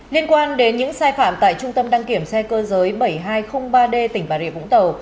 liên quan đến những sai phạm tại trung tâm đăng kiểm xe cơ giới bảy nghìn hai trăm linh ba d tỉnh bà rịa vũng tàu